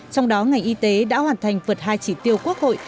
trong đó ngành y tế đã hoàn thành vượt hai chỉ tiêu quốc hội